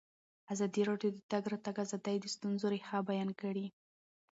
ازادي راډیو د د تګ راتګ ازادي د ستونزو رېښه بیان کړې.